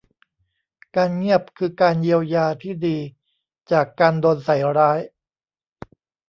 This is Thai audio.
การเงียบคือการเยียวยาที่ดีจากการโดนใส่ร้าย